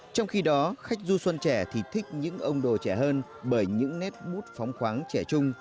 trong khi đó khách du xuân trẻ thì thích những ông đồ trẻ hơn bởi những nét bút phóng khoáng trẻ trung